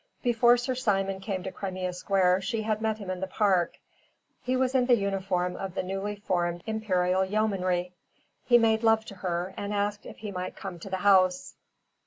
Before Sir Simon came to Crimea Square she had met him in the Park. He was in the uniform of the newly formed Imperial Yeomanry. He made love to her, and asked if he might come to the house.